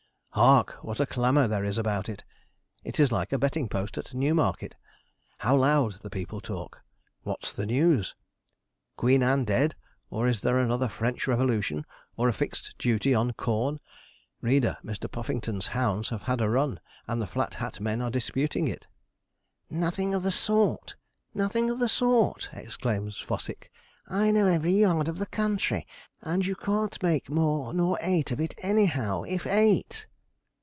Hark! what a clamour there is about it. It's like a betting post at Newmarket. How loud the people talk! What's the news? Queen Anne dead, or is there another French Revolution, or a fixed duty on corn? Reader, Mr. Puffington's hounds have had a run, and the Flat Hat men are disputing it. 'Nothing of the sort! nothing of the sort!' exclaims Fossick, 'I know every yard of the country, and you can't make more nor eight of it anyhow, if eight.'